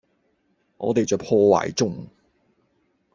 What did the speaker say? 我地在破壞中